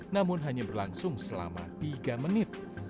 namun hanya berlangsung selama tiga menit